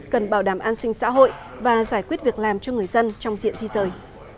cần bảo đảm an sinh xã hội và giải quyết việc làm cho người dân trong diện di rời